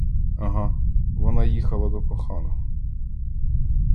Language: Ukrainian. Ага, вона їхала до коханого.